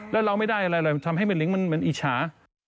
แล้วเราไม่ได้อะไรทำให้ลิงมันอิจฉา